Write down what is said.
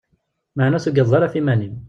Maɛna ur tugadeḍ ara ɣef yiman-im.